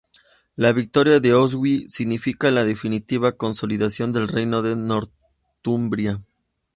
La victoria de Oswiu significó la definitiva consolidación del reino de Northumbria.